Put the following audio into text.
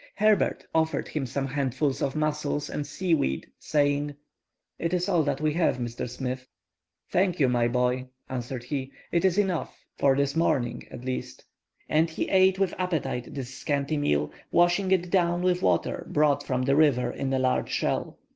Herbert offered him some handfuls of mussels and seaweed, saying:— "It is all that we have, Mr. Smith." "Thank you, my boy," answered he, "it is enough—for this morning, at least." And he ate with appetite this scanty meal, washing it down with water brought from the river in a large shell.